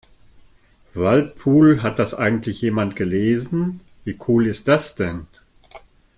Waldpool, hat das eigentlich jemand gelesen? Wie cool ist das denn?